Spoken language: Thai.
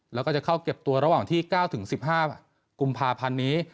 แล้วก็จะเข้าเก็บตัวระหว่างที่๙๑๕กุมภาพันธ์นี้